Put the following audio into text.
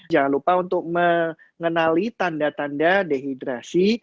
jangan lupa untuk mengenali tanda tanda dehidrasi